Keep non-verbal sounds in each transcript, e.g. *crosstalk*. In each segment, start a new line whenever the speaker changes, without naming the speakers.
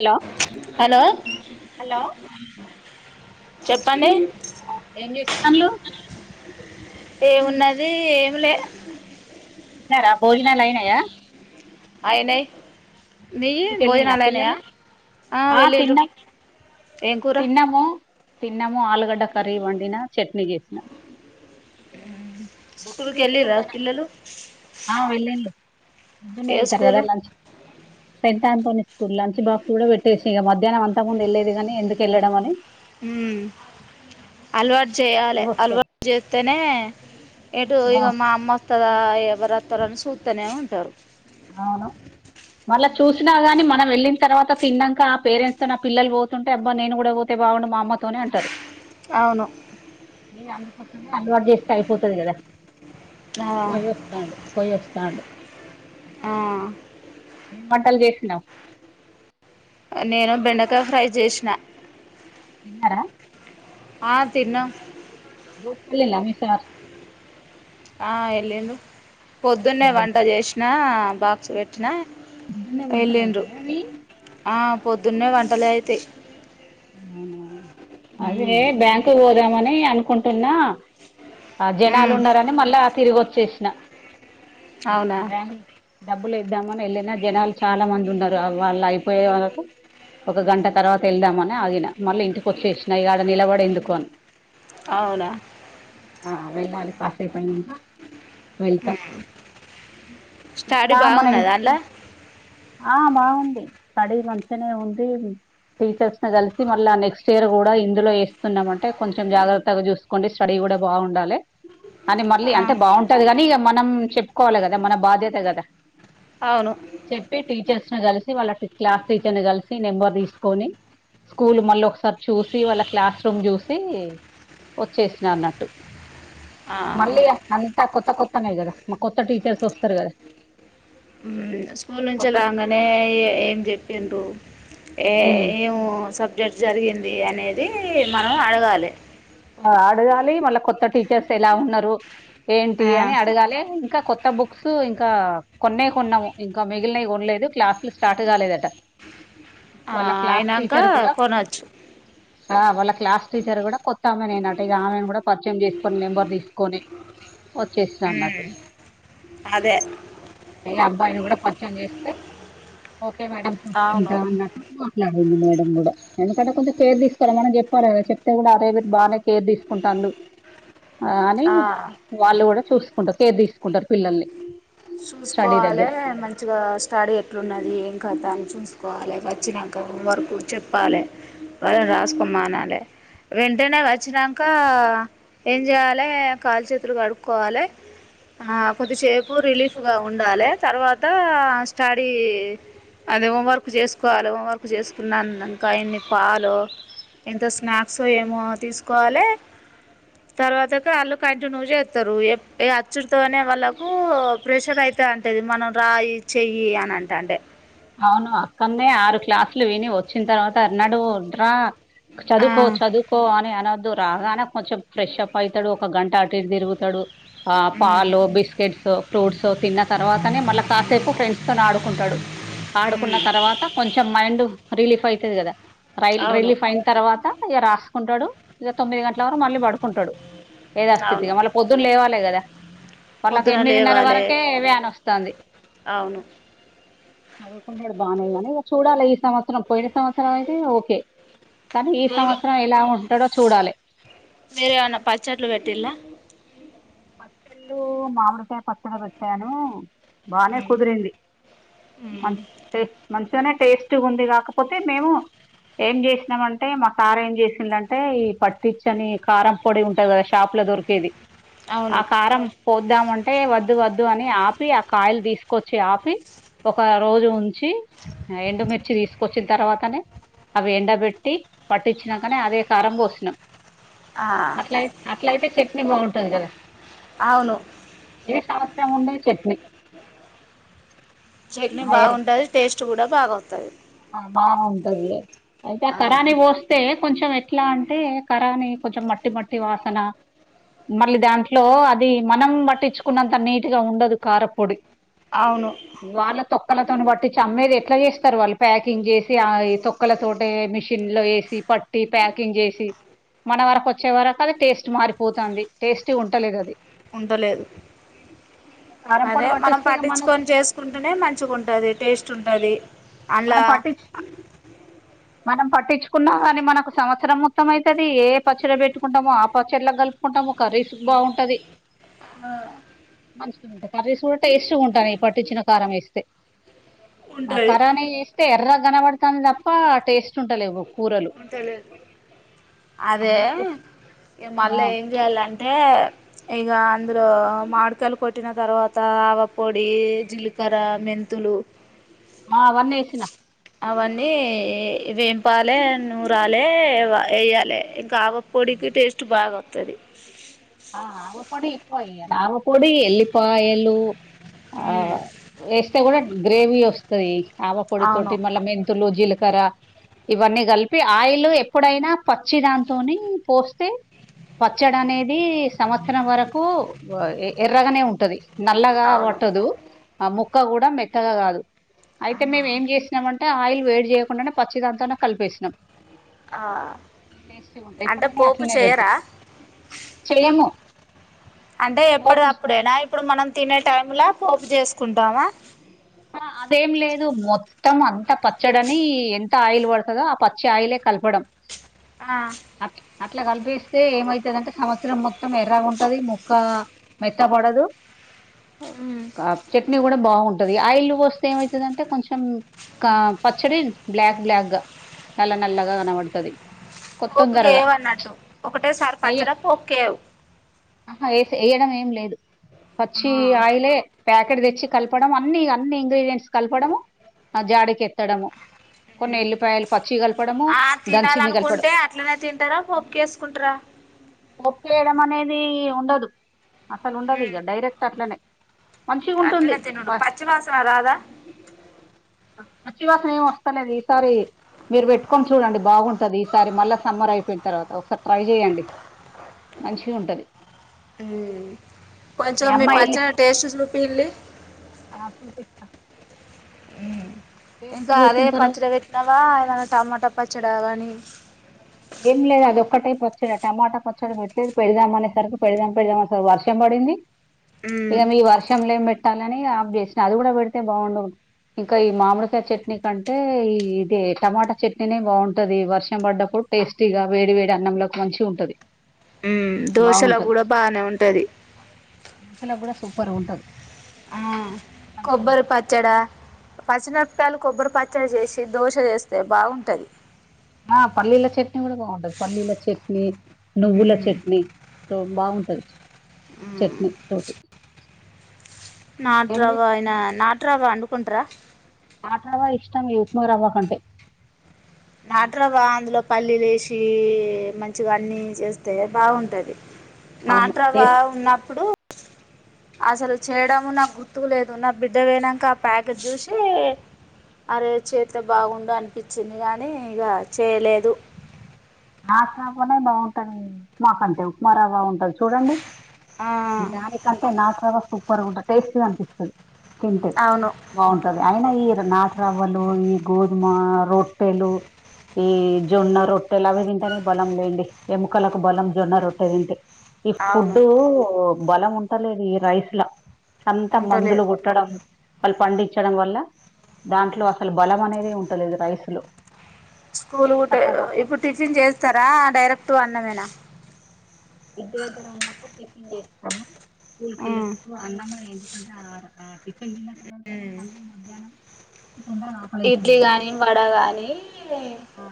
Hello
hello
hello
చెప్పండి
ఏం చేస్తానులు
ఏమున్నది ఏమిలే
తిన్నారా భోజనాలు అయినాయా
అయనే
స్కూలుకి వెల్లింల పిల్లలు ఆ తిన్నా
ఏం కూర
తిన్నాము తిన్నాము ఆలుగడ్డ కర్రీ వండిన చట్నీ చేసిన బుక్స్
స్కూల్కి వెళ్లిరా అట్
చూసుకుంటానా
ఇల్లలు
మదునే వెళ్తారు కదా లాంచ్ స టై తోసుక లంచ్ బాక్స్ కూడా పెట్టేసి ఇక మధ్యాహ్ం అంతకు ముందు వెళ్లేది గానీ ఎందుకు వెళ్లడం అని
హ హల్వా చేయాలి
ఇంకొస్తారు
అలవాటు చేస్తేనే ఎటు ఇక మా అమ్మ వస్తుందా ఎవరు అతారని సూతనే ఉంటారు
అవును మళ్ళ చూినా గాని మనం వెళ్ిన తవాత తిన్నాక ఆ పేరెంట్స్ త నా పిల్లలు పోతుంటే అబ్బా నేను కూడా పోతే బాగుం మా అమతోనే అంటారు
అవును
ఏ అందుకోసమే అలవాటు చేస్తే అయిపోతుది కదా
ఆ
కొయోస్తాడు కొయస్తాడు
ఆ
మేం మంటలు చేసినాం
నేను బెండకాయ ఫ్రై చేసిన
ఎన్నారా
ఆ తిన్న
రూట్కళ మీ సార్
ఆ వెళ్ళిం పొద్దున్నే
వెళ్ళిండా
వంట చేసినా బాక్స్ పెట్టినా
పొద్దున్నే వంటలు
వెళ్ళిండ్రు
అయితాయా అవి
ఆ పొద్దున్నే వంటలే అయితే
అవునా అదే బ్యాంకు పోదామని అనుకుంటున్నా ఆ జనాలు ఉన్నారని మళ్ళా తిరిగి వచ్చేసిన
అవునా
బ్యాంగూ డబ్బులు ఇద్దామని వెళ్ళిన జనాలు చాలా మంది ఉన్నారు వాళ్ళు అయిపోయే వాళ్ళకు ఒక గంట తర్వాత వెళ్దామని ఆగిన మళ్ళీ ఇంటికి వచ్చేసినా ఈడ నిలబడే ఎందుకు అని
ఆవునా
ఆ వెేళ్ళి కాఫే పై వెయిత
స్టడీ
ఇమన
బాగున్నదా అలా
ఆ బాగుంది స్టడీ మంచిగానే ఉంది టీచర్స్ కలిసి మళ్ళీ నెక్స్ట్ ఇయర్ కూడా ఇందులో వేస్తున్నాం అంటే కొంచెం జాగ్రత్తగా చూసుకోండి స్టడీ కూడా బాగుండాలి అని మళ్ళీ
ఆ
అంటే బాగుంటది కానీ ఇక మనం చెప్పుకోవాలి కదా మన బాధ్యత కదా
అవును
చెప్పి టీచర్స్ ను కలిసి వాళ్ళ క్లాస్ టీచర్ ని కలిసి నెంబర్ తీసుకొని స్కూల్ మళ్ళీ ఒకసారి చూసి వాళ్ళ క్లాస్ రూమ్ చూసి వచ్చేసిన అన్నట్టు
ఆ
మళ్ళీ అంతా కొత్త కొత్తనే కదా విటీచస్ వస్తారు కద
స్కూల్ నుంచి రాగానే ఏం చెప్పిండ్ర ఏ ఏం సబ్జెక్ట్ జరిగింది అనేది మనం అడగాలి
అడగాలి మళ్ళ కొత్త టీచర్స్ ఎలా ఉన్నారు ఏంటి
ఆ
అని అడగాలి ఇంకా కొత్త ఇత్త బుక్స్ ఇంకా కొన్న కొన్నాము ఇంకా మిగిలినవి కొనలేదు క్లాసులు స్టార్ట్ కాలేదట
ఆ
వాళ్ళ క్లాస్
అయినాక
టీచర్ కూడా
కొనచ్చు
వాళ్ళ క్లాస్ టీచర్ కూడా కొత్త ామె నేనట ఇ ఆమెను కూడా పరిచయం చేసుకొని నెంబర్ తీసుకొని వచ్చేస్త అన్నట్టు
అదే
అ అబ్బాయిని కూడా కొంచెం చేస్తే ఓకే మేడ
అవును
చూసుంటా అన్నట్టు మాట్లాడింది మేడం కూడా ఎందుకంటే కొంచెం కేర్ తీసుకోవాలి మనం చెప్పాలి కదా చెప్తే కూడా అదేరు బాగానే కేర్ తీసుకుంటానులు అని
ఆ
వాళ్ళు కూడా చూసుకుంటారు కేర్ తీసుకుంటారు పిల్లల్ని స్టడీ
చూసుకోవాలి
దగ్గర
మంచిగా స్టడీ ఎట్లున్నది ఏం కథ చూసుకోవాలి వచ్చాక వరకు చెప్పాలి వాళ్ళని రాసుకో మానాలి వెంటనే వచ్చినాక ఏం చేయాలి కాలు చేతులు కడుక్కోవాలి ఆ కొద్దిసేపు రిలీఫ్గా ఉండాలి తర్వాత స్టడీ అది హోంవర్క్ చేసుకోవాలి హోంవర్క్ చేసుకున్నాను ఇంకా అన్ని పాలు ఎంత స్నాక్స్ ఏమో తీసుకోవాలి తర్వాత వాళ్ళు కంటిన్యూ చేస్తారు అచ్చుడితోనే వాళ్ళకు ప్రెషర్ అయితే అంటది మనం రాయి చెయ్యి అని అంటే అంటే
అవును అక్కనేే ఆరు క్లాసులు విని వచ్చిన తర్వాత అన్నాడు డ్రా
ఆ
చదువుకో చదువుకో అని అన అ రాగానే కొంచెం ఫ్రెష్ అప్ అవుతాడు ఒక గంట అటువి తిరుగుతాడు ఆ
మ్మ్
పాలు బిస్కెట్స్ ఫ్రూట్స్ తిన్న తర్వాతనే మళ్ళా కాసేపు ఫ్రెండ్స్ తో ఆడుకుంటాడు ఆడుకున్న
మ్మ్
తర్వాత కొంచెం మైండ్ రిలీఫ్ అవుతుది కదా రై
అవును
రైలీఫ్ అయిన తర్వాత ఇక రాసుకుంటాడు ఇక తొమ్మిది గంటల వరకు మళ్ళీ పడుకుంటాడు ఏదా
అవును
స్స్ితిగా మళ్ళీ పొద్దున్న లేవాలి కదా వాళ్ళకి
పొద్దున
ఎనిమిదిన్నర
లేవాలే
వరకే వ్యాన వస్తుంది
అవును
చదవుకుండాడు బాగానే కానీ ఇక చూడాలి ఈ సంవత్సరం పోయిన సంవత్సరం అయితే ఓకే కానీ ఈ
ఏమి
సంవత్సరం ఎలా ఉంటాడో చూడాలి
మీరేమన్నా పచ్చట్లు పెట్టిల్లా
పచ్చెలు మామిృత పచ్చడ బట్టాను బానే
మ్మ్
కుదిరింది
మ్మ్
మే మష నే టేస్ట్ ఉంది కాకపోతే మేము ఏం చేసినామంటే మా తార ఏం చేసిందంటే ఈ పట్టిచ్చని కారం పొడి ఉంటది కదా షాప్ లో దొరికేది ఆ
అవును
కారం పోద్దామంటే ఏ వద్దు వద్దు అని ఆపి ఆ కాయిల్ తీసుకొచ్చి ఆపి ఒక రోజు ఉ ఎండుమిిర్చి తీసుకొచ్చిన తర్వాతనే అవి ఎండ పెట్టి పట్టించినాకని అదే కారం పోసినం
ఆ
అట్లయి అట్ల అయితే చట్నీ బాగుంటంది కదా
అవును
ఏ సావస్రా ముండ చట్నీ
చట్నీ
ఆయర్
బాగుంటది టేస్ట్ కూడా బాగతుది
బాగుంటది అయితే ఆ కరాని పోస్తే కొంచెం ఎట్లా అంట అంటే కరాని కొంచెం మట్టి మట్టి వాసన మళ్ళీ దాంట్లో అది మనం పట్టించుకున్నంత నీట్ గా ఉండదు కారపొడి
అవును
వాళ్ళ తొక్కలతోను బట్టి చమ్మేది ఎట్లా చేస్తారు వాళ్ళు ప్యాకింగ్ చేసి ఆ తొక్కల తోట మిషన్ లో వేసి పట్టి ప్యాకింగ్ చేసి మన వరకు వచ్చే వర అది టేస్ట్ మారిపోతుంది టేస్ట్ ఉంటలేదు అది
ఉంటలేదు
కారం
అదే
పొడి
మనం
పట్టిస్తే ఇక
పట్టించుకొని చేసుకుంటూనే మంచిగా ఉంటుది టేస్ట్ ంటది అలా
మనం పట్టించు మనం పట్టించుకున్నా కానీ మనకు సంవత్సరం మొత్తం అవుతుది ఏ పచ్చర పెట్టుకుంటామో ఆ పచ్చర్లో కలుపుకుంటాం ఒక ఒక రీసుక్ బాగుంటది
ఆ
మంచిగా ఉంటుంది కర్రీస్ కూడా టేస్ట్ గా ఉంటాను ఈ పట్టించిన కారం వేస్తే ఆ
ఉంటది
ఖరానీ చేేస్తే ఎర్ర కనబడుతాంది తప్ప టేస్ట్ ఉంటాల ఎవో
తెలిదు
ఆ,
అదే మళ్ళీ ఏం చేయాలంటే హ ఈగ అంద్ర మాడుకాలు కొట్టిన తర్వాత ఆవ పొడి జీలికర మెంంత
ఆ, అవన్నీ వేసిన
అవన్నీ వేపాల నూరాలే వేయ్యాలి ఇంకా ఆగ పొడికి టేస్ట్ బాగా వతుంది
ఆ ఆమపొడి ఇప్ప రావపొడి ఎల్లిపా ఎళూ ఆ వేస్తే కూడా గ్రేవీ వస్తాది ఆవ పొడి
అవును
తోటి మళ్ళా మెంతులు జీలక ర ఇవన్నీ కలిపి ఆయిల్ ఎప్పుడైనా పచ్చి దాంతోని పోస్తే పచ్చడి అనేది సంవత్సరం వరకు ఎర్రగానే ఉంటది నల్లగా
అవును
పట్టదు ఆ ముక్క కూడా మెక్కగా కాదు
ఆ
అయితే మేము ఏం చేసినంమ అంటే ఆయిల్ వేడి చేయకుండానే పచ్చి దాంతానే కలిపేసినాం
ఆ
టేస్ట్ ఉంటాంది
అంటే
ఎప్పుడైనా
పోపు
అట్లనే పెడతాం
చేయరా
చేయమ
అంటే ఎప్పటికప్పుడేనా ఇప్పుడు మనం తినే టైంలా పోపు చేసుకుంటామా
అదేం లేదు మొత్తం అంత పచ్చడని ఎంత ఆయిల్ పడుతుందో ఆ పచ్చి ఆయిలే కలపడం
ఆ
అట్ అట్లా కలిపిస్తే ఏమైతుంది అంటే సంవత్సరం మొత్తం ఎర్రగా ఉంటది ముక్క మెత్త పడదు
ఉమ్
కా చట్నీ కూడా బాగుంటు ఉంటది ఆయిల్ వస్తే ఏమవుతుందింటే కొంచెం పచ్చడి బ్లాక్ బ్లాక్ గా నల నల్గావనపడుతుది
కోకుకి వవు అన్నట్టు ఒకటేసారి
ఏయ
పచ్చడా పోక్ేవు
ఆహా వే వేయడం ఏం లేదు పచ్చి ఆయిలే ప్యాకెట్ తెచ్చి కలపం అన్ని అన్ని ఇంగ్రీడియంట్స్ కలపడము ఆ జాడకి ఎత్తడము కొన్ని ఎల్లిపాయలు పచ్చి కలపడము
ఆ
దంచింది కలపడం
తినాలనుకుంటే అట్లనే తింటారా పోపుకి వేసుకుంటారా
ఒప్పుయడం అనేది ఉండదు అసలు ఉండదు ఇక డైరెక్ట్ అట్లనే మంచిగా ఉంటుంది
పచ్చివాసన అదాదా
వచ్చివాసన ఏం వస్తానేది ఈసారి మీరు పెట్టుకొని చూడండి బాగుంటది ఈసారి మళ్ళా సమ్మర్ అయిపోయిన తర్వాత ఒకసారి ట్రై చె్యడి మంచిగా ఉంటది
కొంచెం మీ
అమ్మాయి వెళ్ళి
పచ్చని టేస్ట్ చూపిలి
ఆ చూ తెస్త
ఇంకా అదే
తర్వాత
పచ్చడి పెట్నావా ఏ టమాోటా ప చడావని
ఏం లేదు అది ఒక్కటే పచ్చడి టమాటా పచ్చడి పెట్లేదు పెడదాం అనే సరికి పెడదాం పెడదాం స వర్షం పడి పడింది
ఉమ్
ఇక మీ వర్షం లే ఏం పెట్టాలని ఆఫ చేసిన అది కూడా పెడితే బాగుండవు ఇంకా ఈ మామిడికాయ చట్నీ కంటే ఈ ఇదే టమాటా చట్నీనే బాగుంటది వర్షం పడ్డప్పుడు టేస్టీగా వేడి వేడి అన్నంలోకి మంచి ఉంటది
ఉ దోశలో కూడా బానే ఉంటది
మోసలో కూడా సూపర్ ఉంటది మంచిగా
కొబ్బరి
ఉంటది
పచ్చడా పచ్చనా పప్పలు కొబ్బరి పచ్చడి చేసి దోస చేస్తే బాగుంటది
ఆ పల్లీల చట్నీ కూడా బాగుంటంది పల్లీల చట్నీ నువ్వుల
ఉమ్
చట్నీ టో బాగుంటది
ఉమ్
చట్నీ తోటి ఏం
నాట్్రావ్వ
చేస్త
ఆయన నాటు్రావా్వ అండుకుంటార
ఆట్ రవ్వ ఇష్టం త్మగర్ అవ్వకంటే
నాట్రవా అందులోక్ పల్లీలేసీ మంచిగా అన్నీ చేస్తే బాగుంటది.
అవును
నాట్రవ్వా
టేస్ట్
ఉన్నప్పుడు అసలు చేయడము నాకు గుర్తుకులేదు నా బిడ్డ పోయినంక ఆ ప్యాకెట్ చూసీ అదే చేత్తే బాగుండు అనిపిచ్చింది గనీ ఇగ చేయలేదు.
నాట్రవ్వ బాగుంటది ఈ ఉప్మా కంటే ఉప్మా రవ్వ ఉంటది చూడండి దానికంటే నాట్రవ్వ సూపర్ గుంటది టేస్టీగా అనిపిస్తది. తింటే
అవును
బాగుంటది అయి ఈ నాట్ రవ్వలు ఈ గోధుమ రొట్టెలు ఈ జొన్న రొట్టెలవి తిన్ టేనే బలం లెండి. ఎముకలకు బలం జొన్న రొట్టె తింటే ఈ
అవును
ఫుడ్డూ బలం ఉంటలేదు ఈ రైస్ల అంత మందులు
ఉండలేదు
కొట్టడం వాళ్ళు పండిచ్చడం వల్ల దాంట్లో అసలు బలం అనేదే ఉంటలేదు రైస్లో
స్కూలు ఉంటే ఇప్పుడు టిఫిన్ చేస్తారా డైరెక్టు అన్నమేనా
ఇంటి దగ్గర ఉన్నప్పుడు టిఫిన్ చేస్తము
ఉమ్.
స్కూల్కెళ్ళేటప్పుడు అన్నము ఎ అంటే ఆ *inaudible* టిఫిన్ తిన్న తర్వాత మా
ఉమ్.
మధ్యాహ్నం
ఇడ్లీ గాని, వడ గాని
ఆ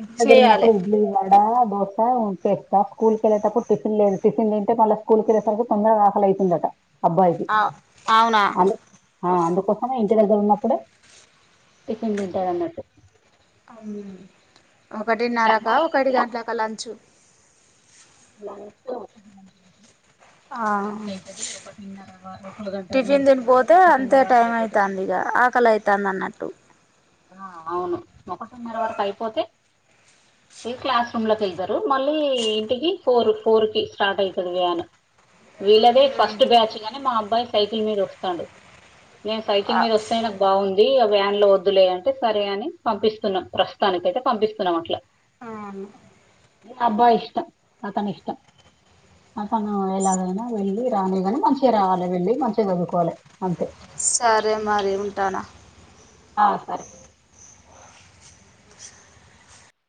ఇంటి దగ్గరున్నపుడు ఇడ్లీ వ డా, దోస ఉంటే ఏస్తా స్కూల్కెళ్ళేటప్పుడు టిఫిన్ లేదు టిఫిన్ తింటే మళ్ళ స్కూల్కెళ్ళేసరికి తొందరగ ఆకలై టిఫిన్ దట
అవ్ అవునా
ఆ అందుకోసమే ఇంటి దగ్గర ఉన్నప్పుడు టిఫిన్ తింటరన్నట్టు.
ఒకటిన్నరకా ఒకటి గంటలక లంచ్
లంచ్ ఒకటి గంట
ఆ
లంచ్ అయితది ఒకటిన్నరా ఒకళ గంటల నుండి స్టార్ట్ అయి ఒకటిన్నర వరకు అయిపోతది.
యా ఆకలైతాందన్నట్టు.
ఆ అవును ఒకటిన్నర వరకు అయిపోతే ఇగ క్లాస్ రూమ్లోకెళ్తరు మళ్ళీ ఇంటికి ఫోర్ ఫోర్కి స్టార్ట్ అయితది వ్యాన్ వీళ్ళదే ఫస్ట్ బ్యాచ్ గని మా అబ్బాయి సైకిల్ మీద వస్తాడు. నేన్ సైకిల్ మీద వస్తేనే నాక్ బాగుంది ఆ వ్యాన్లో వద్ దులే అంటే సరే అని పంపిస్తున్నాం ప్రస్తుతానికైతే పంపిస్తున్నాం అట్ల
అవును
అబ్బాయ్ ఇష్టం అతనిష్టం. అతను ఎలాగైనా వెళ్ళి రాని గని మంచిగా రావాలె వెళ్ళి మంచిగా చదువుకోవాలె అంతే
సరే మరి ఉంటాన
ఆ సరే